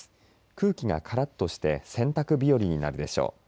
空気がからっとして洗濯日和になるでしょう。